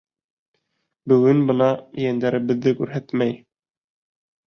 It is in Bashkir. Бөгөн бына ейәндәребеҙҙе күрһәтмәй.